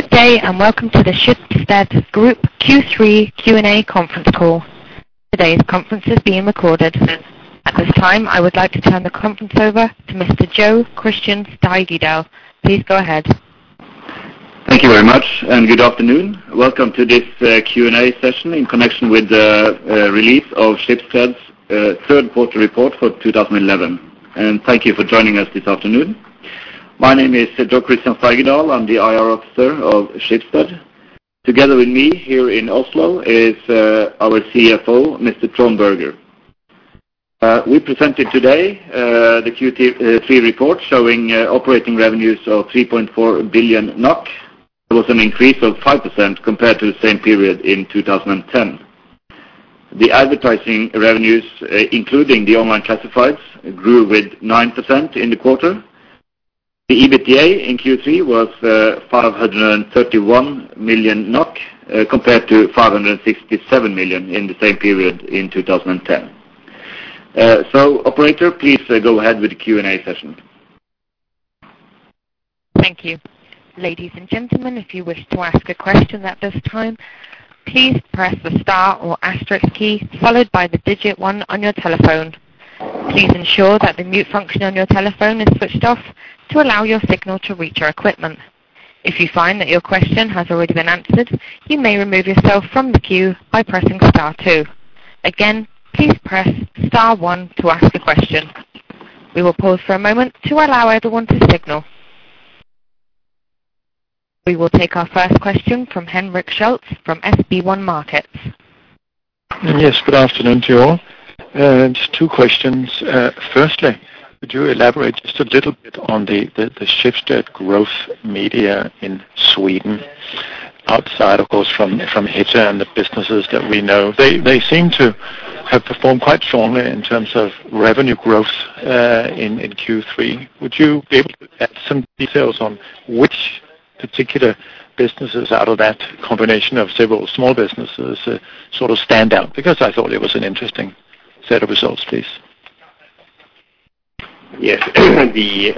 Good day, welcome to the Schibsted Group Q3 Q&A conference call. Today's conference is being recorded. At this time, I would like to turn the conference over to Mr. Jo Christian Steigedal. Please go ahead. Thank you very much and good afternoon. Welcome to this Q&A session in connection with the release of Schibsted's third quarter report for 2011. Thank you for joining us this afternoon. My name is Jo Christian Steigedal. I'm the IR Officer of Schibsted. Together with me here in Oslo is our CFO, Mr. Trond Berger. We presented today the Q3 report showing operating revenues of 3.4 billion NOK. It was an increase of 5% compared to the same period in 2010. The advertising revenues, including the online classifieds, grew with 9% in the quarter. The EBITDA in Q3 was 531 million NOK compared to 567 million in the same period in 2010. operator, please go ahead with the Q&A session. Thank you. Ladies and gentlemen, if you wish to ask a question at this time, please press the star or asterisk key followed by the digit one on your telephone. Please ensure that the mute function on your telephone is switched off to allow your signal to reach our equipment. If you find that your question has already been answered, you may remove yourself from the queue by pressing star two. Again, please press star one to ask a question. We will pause for a moment to allow everyone to signal. We will take our first question from Henrik [Schultz] from SB1 Markets. Yes, good afternoon to you all. Just two questions. Firstly, could you elaborate just a little bit on the, the Schibsted Growth Media in Sweden, outside, of course, from Hitta.se and the businesses that we know? They, they seem to have performed quite strongly in terms of revenue growth, in Q3. Would you be able to add some details on which particular businesses out of that combination of several small businesses sort of stand out? Because I thought it was an interesting set of results, please. Yes. The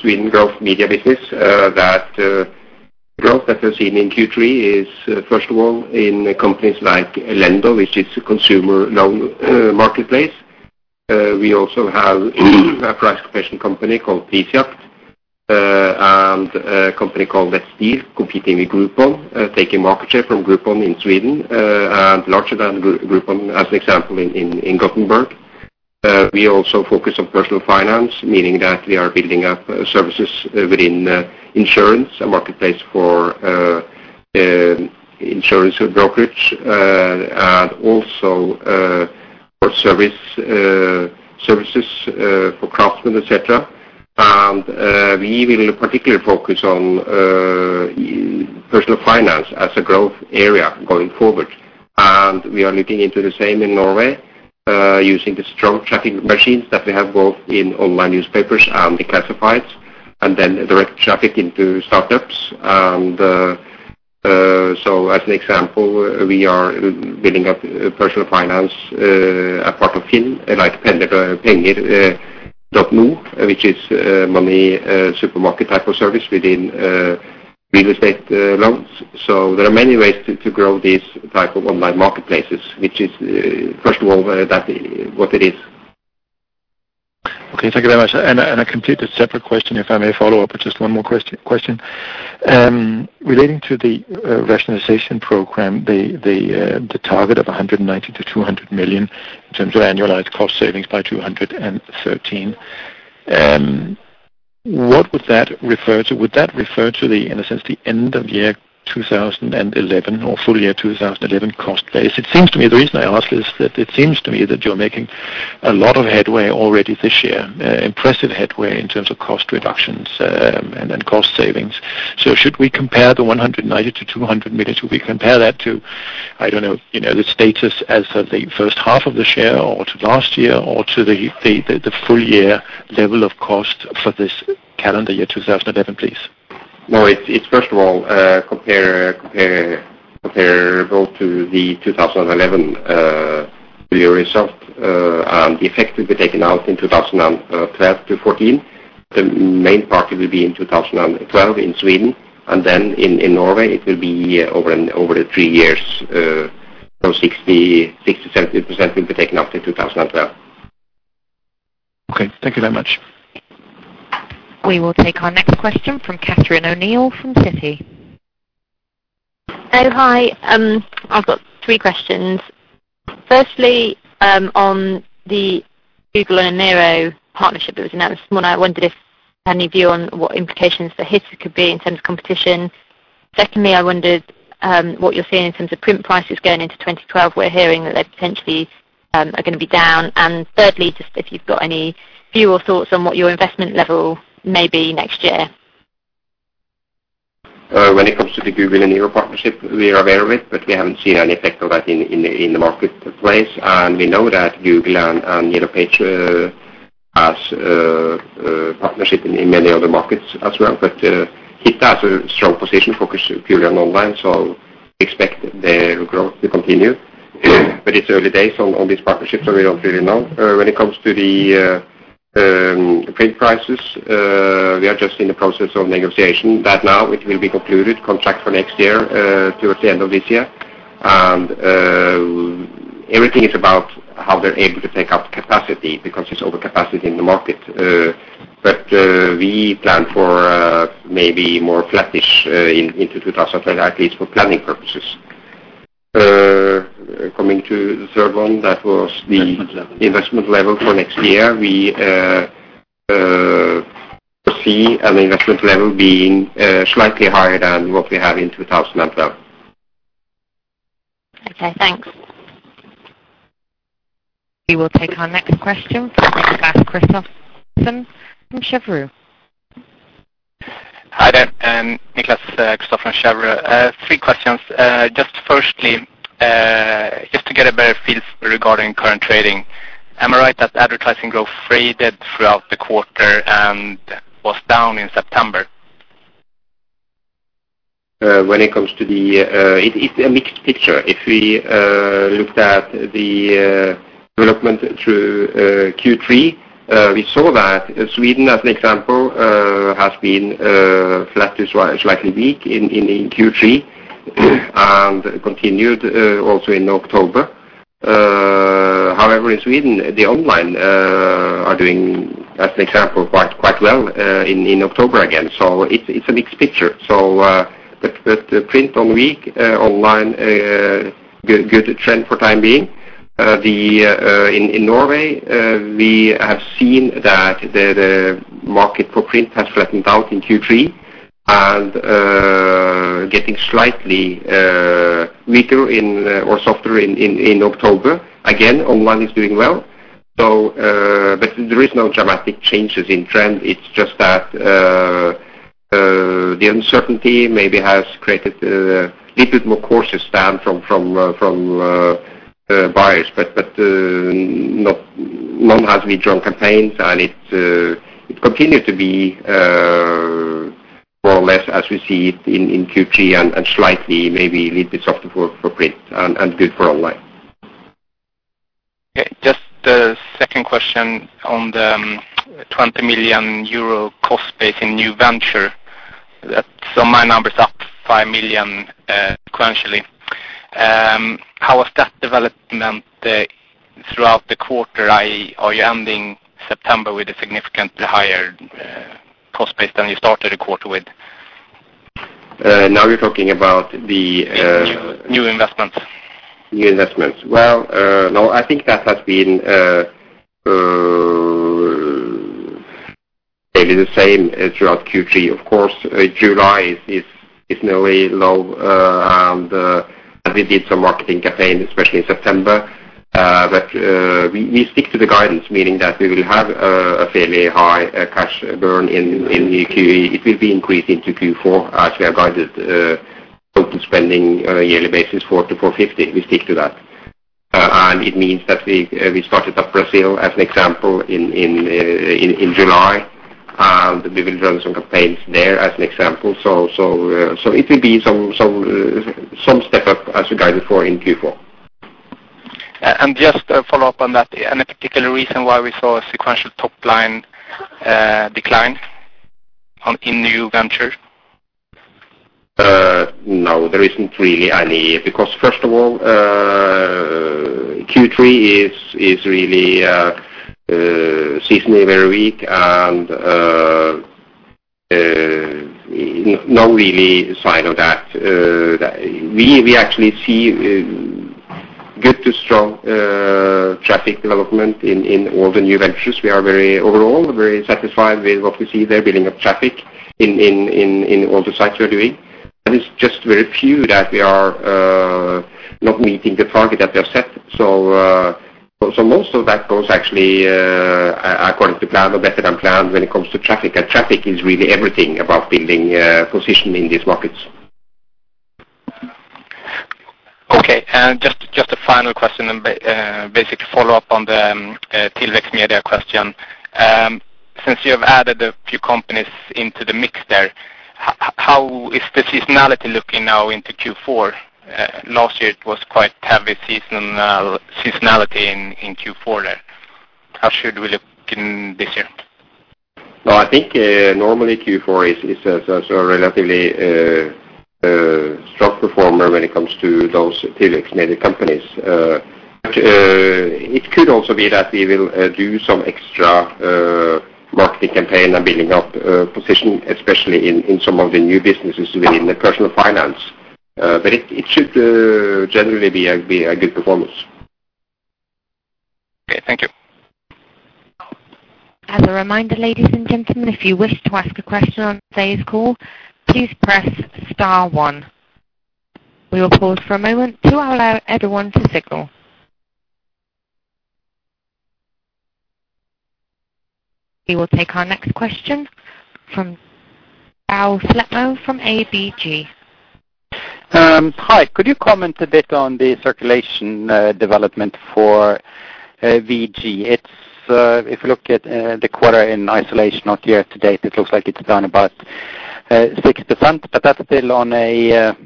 Schibsted Growth Media business, that growth that we've seen in Q3 is, first of all, in companies like Lendo, which is a consumer loan marketplace. We also have a price comparison company called Prisjakt, and a company called [Bestill] competing with Groupon, taking market share from Groupon in Sweden, and larger than Groupon as an example in Gothenburg. We also focus on personal finance, meaning that we are building up services within insurance, a marketplace for insurance brokerage, and also for service services for craftsmen, et cetera. We will particularly focus on personal finance as a growth area going forward. We are looking into the same in Norway, using the strong traffic machines that we have both in online newspapers and the classifieds, and then direct traffic into startups. As an example, we are building up personal finance, a part of FINN.no, like penger.no, which is money supermarket type of service within real estate loans. There are many ways to grow these type of online marketplaces, which is, first of all, that what it is. Okay, thank you very much. A completely separate question, if I may follow up with just one more question. Relating to the rationalization program, the target of 190 million-200 million in terms of annualized cost savings by 2013, what would that refer to? Would that refer to the, in a sense, the end of year 2011 or full year 2011 cost base? The reason I ask is that it seems to me that you're making a lot of headway already this year, impressive headway in terms of cost reductions, and cost savings. Should we compare the 190 million-200 million? Should we compare that to, I don't know, you know, the status as of the first half of this year or to last year or to the full year level of cost for this calendar year 2011, please? It's first of all comparable to the 2011 full year result. The effect will be taken out in 2012-2014. The main part will be in 2012 in Sweden, and then in Norway, it will be over the three years. 60%-70% will be taken out in 2012. Okay, thank you very much. We will take our next question from Catherine O'Neill from Citi. Hi. I've got three questions. Firstly, on the Google and Eniro partnership that was announced this morning, I wondered if you had any view on what implications for Hitta.se could be in terms of competition. Secondly, I wondered what you're seeing in terms of print prices going into 2012. We're hearing that they potentially are gonna be down. Thirdly, just if you've got any view or thoughts on what your investment level may be next year. When it comes to the Google and Eniro partnership, we are aware of it, but we haven't seen any effect of that in the marketplace. We know that Google and Eniro page has partnership in many other markets as well. Hitta.se has a strong position focused purely on online, so expect their growth to continue. It's early days on this partnership, so we don't really know. When it comes to the trade prices, we are just in the process of negotiation that now it will be concluded contract for next year towards the end of this year. Everything is about how they're able to take up capacity because there's overcapacity in the market. We plan for, maybe more flattish, into 2012, at least for planning purposes. Coming to the third one, that was. Investment level. investment level for next year. We see an investment level being slightly higher than what we have in 2012. Okay, thanks. We will take our next question from Kristoffersson from Cheuvreux. Hi there. Niklas Kristoffersson from Cheuvreux. Three questions. Just firstly, just to get a better feel regarding current trading, am I right that advertising growth faded throughout the quarter and was down in September? When it comes to the, it's a mixed picture. If we looked at the development through Q3, we saw that Sweden, as an example, has been flat to slightly weak in Q3 and continued also in October. However, in Sweden, the online are doing, as an example, quite well in October again. It's a mixed picture. But print on weak, online good trend for time being. The in Norway, we have seen that the market for print has flattened out in Q3 and getting slightly weaker or softer in October. Again, online is doing well. But there is no dramatic changes in trend. It's just that the uncertainty maybe has created a little bit more cautious stand from buyers. Not long as we draw campaigns and it continues to be more or less as we see it in Q3 and slightly maybe a little bit softer for print and good for online. Okay. Just the second question on the 20 million euro cost base in new venture. My number's up 5 million sequentially. How has that development throughout the quarter? Are you ending September with a significantly higher cost base than you started the quarter with? now you're talking about the. Yes. New investment. New investment. Well, no, I think that has been maybe the same as throughout Q3. Of course, July is normally low, and we did some marketing campaign, especially in September. We stick to the guidance, meaning that we will have a fairly high cash burn in Q3. It will be increased into Q4 as we have guided, total spending, yearly basis, 400 million-450 million. We stick to that. It means that we started up Brazil as an example in July, and we will run some campaigns there as an example. It will be some step up as we guided for in Q4. Just a follow-up on that. Any particular reason why we saw a sequential top line decline in new venture? No, there isn't really any because first of all, Q3 is really seasonally very weak and no really sign of that. We actually see good to strong traffic development in all the new ventures. We are overall very satisfied with what we see there, building up traffic in all the sites we are doing. It's just very few that we are not meeting the target that they have set. Most of that goes actually according to plan or better than planned when it comes to traffic. Traffic is really everything about building position in these markets. Okay. Just a final question and basic follow-up on the Growth Media question. Since you have added a few companies into the mix there, how is the seasonality looking now into Q4? Last year it was quite heavy seasonality in Q4 there. How should we look in this year? I think normally Q4 is a relatively strong performer when it comes to those Schibsted Growth Media companies. It could also be that we will do some extra marketing campaign and building up position, especially in some of the new businesses within the personal finance. It should generally be a good performance. Okay. Thank you. As a reminder, ladies and gentlemen, if you wish to ask a question on today's call, please press star one. We will pause for a moment to allow everyone to signal. We will take our next question from [Bao Slepo] from ABG. Hi. Could you comment a bit on the circulation development for VG? It's if you look at the quarter in isolation of year to date, it looks like it's down about 6%, but that's still on a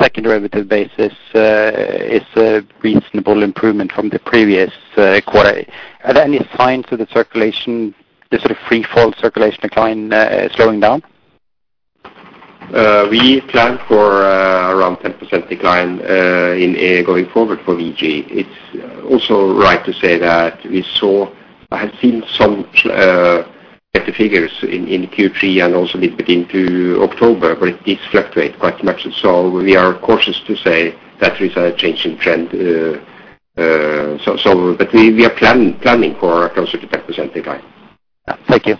second derivative basis is a reasonable improvement from the previous quarter. Are there any signs of the circulation, the sort of free fall circulation decline, slowing down? We plan for, around 10% decline, in going forward for VG. It's also right to say that I have seen some, better figures in Q3 and also a little bit into October, but it does fluctuate quite much. We are cautious to say that we've had a change in trend. We are planning for closer to 10% decline. Thank you.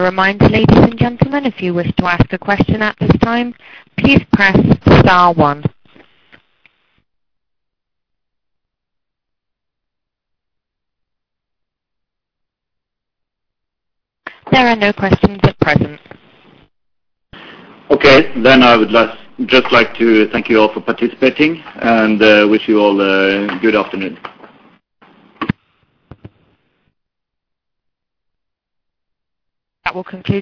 As a reminder, ladies and gentlemen, if you wish to ask a question at this time, please press star one. There are no questions at present. Okay. I would just like to thank you all for participating and wish you all a good afternoon. That will conclude-